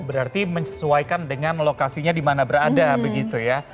oh berarti menyesuaikan dengan lokasinya dimana berada begitu ya